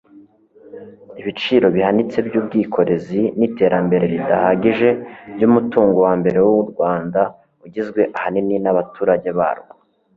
ibiciro bihanitse by'ubwikorezi n'iterambere ridahagije ry'umutungo wa mbere w'u rwanda ugizwe ahanini n'abaturage barwo